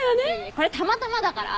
これはたまたまだから。